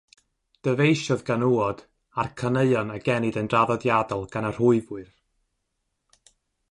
Dyfeisiodd ganŵod a'r caneuon a genid yn draddodiadol gan y rhwyfwyr.